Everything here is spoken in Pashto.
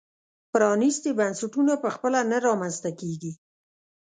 پرانیستي بنسټونه په خپله نه رامنځته کېږي.